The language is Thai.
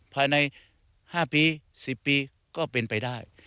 ภายใน๕ปี๑๐ปีก็เป็นไปได้